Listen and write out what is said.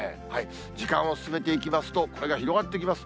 時間を進めていきますと、これが広がってきます。